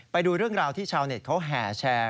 ไปดูเรื่องราวที่ชาวเน็ตเขาแห่แชร์